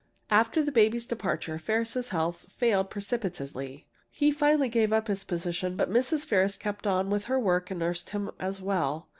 After the baby's departure Ferris's health failed perceptibly. He finally gave up his position, but Mrs. Ferris kept on with her work and nursed him as well.